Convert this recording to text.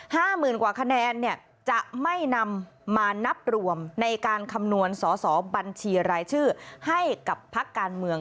ห้าหมื่นกว่าคะแนนเนี่ยจะไม่นำมานับรวมในการคำนวณสอสอบัญชีรายชื่อให้กับพักการเมือง